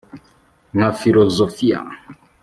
nka filozofiya